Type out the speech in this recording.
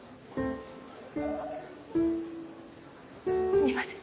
すみません